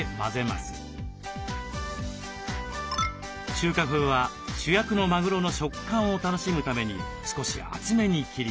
中華風は主役のマグロの食感を楽しむために少し厚めに切ります。